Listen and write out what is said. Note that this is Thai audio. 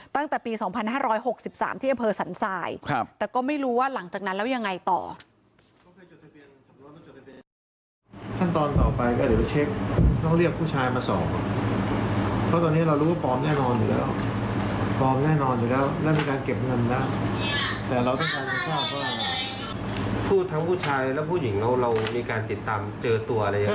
ตั้งแต่ปี๒๕๖๓ที่อำเภอสันทรายแต่ก็ไม่รู้ว่าหลังจากนั้นแล้วยังไงต่อ